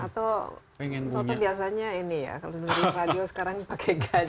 atau biasanya ini ya kalau dulu di radio sekarang pakai guide